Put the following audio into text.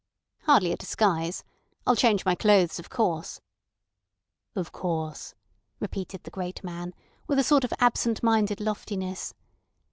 "Hardly a disguise! I'll change my clothes, of course." "Of course," repeated the great man, with a sort of absent minded loftiness.